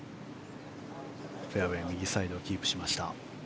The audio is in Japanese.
フェアウェー右サイドをキープしました。